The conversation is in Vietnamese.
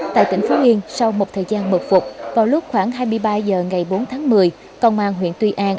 tại tỉnh phú yên sau một thời gian mật phục vào lúc khoảng hai mươi ba h ngày bốn tháng một mươi công an huyện tuy an